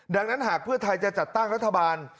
ดังนั้นหากเพื่อไทยจะจัดตั้งรัฐบาล